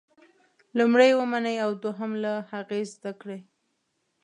لومړی یې ومنئ او دوهم له هغې زده کړئ.